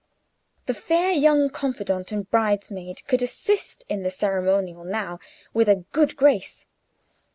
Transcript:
The fair young confidante and bridesmaid could assist in the ceremonial now with a good grace.